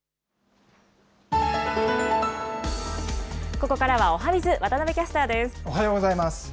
ここからはおはＢｉｚ、おはようございます。